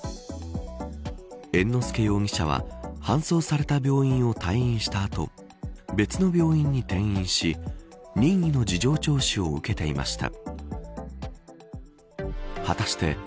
猿之助容疑者は搬送された病院を退院した後別の病院に転院し任意の事情聴取を受けていました。